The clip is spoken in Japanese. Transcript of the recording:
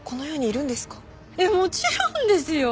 もちろんですよ。